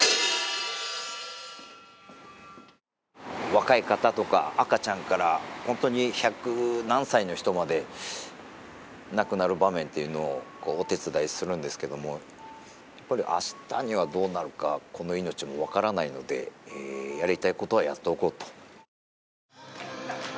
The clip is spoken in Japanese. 若い方とか赤ちゃんから本当に百何歳の人まで亡くなる場面っていうのをお手伝いするんですけどもやっぱり明日にはどうなるかこの命もわからないのでやりたいことはやっておこうと。